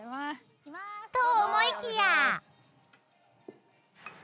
［と思いきや］